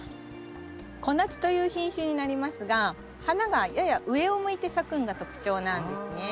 小夏という品種になりますが花がやや上を向いて咲くのが特徴なんですね。